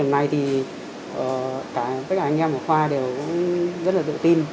cho đến thời điểm này thì tất cả anh em ở khoa đều rất là tự tin